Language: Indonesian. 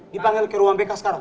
dipanggil ke ruang bk sekarang